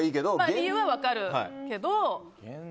理由は分かるけど。